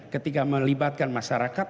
ketika melibatkan masyarakat